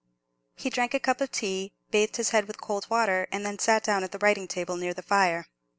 He drank a cup of tea, bathed his head with cold water, and then sat down at a writing table near the fire.